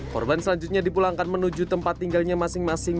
korban selanjutnya dipulangkan menuju tempat tinggalnya masing masing